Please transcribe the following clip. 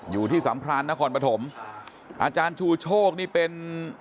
อยู่ที่สัมพลาณนครปฐมอาจารย์ชูโชกนี่เป็น